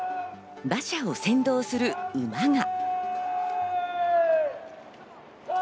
馬車を先導する馬が。